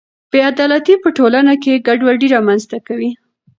بې عدالتي په ټولنه کې ګډوډي رامنځته کوي.